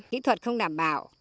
kỹ thuật không đảm bảo